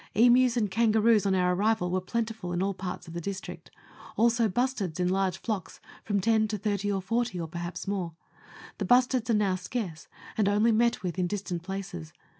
Emus and kangaroos on our arrival were plentiful in all parts of the district ; also bustards in large flocks of from ten to thirty or forty, or perhaps more. The bustards now are scarce, and only met with in distant places.